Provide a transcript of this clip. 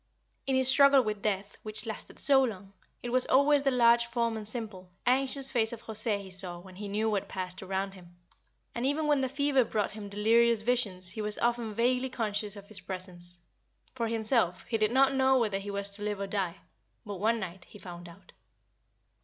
In his struggle with death, which lasted so long, it was always the large form and simple, anxious face of José he saw when he knew what passed around him, and even when the fever brought him delirious visions he was often vaguely conscious of his presence. For himself, he did not know whether he was to live or die; but one night he found out.